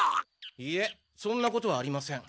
いえそんなことはありません。